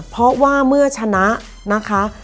เพราะว่าเมื่อชนะนะคะ